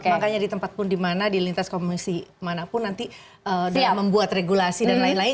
makanya di tempat pun dimana di lintas komisi manapun nanti dengan membuat regulasi dan lain lain